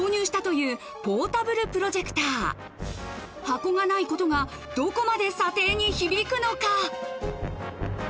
箱がないことがどこまで査定に響くのか？